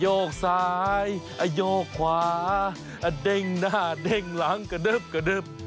โยกซ้ายโยกขวาเด้งหน้าเด้งหลังกระดึบกระดึบ